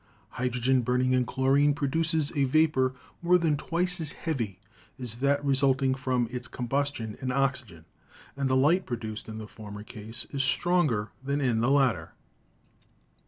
Hydrogen burning in chlorine produces a vapor more than twice as heavy as that resulting from its combustion in oxygen, and the light produced in the former case is stronger than in the latter.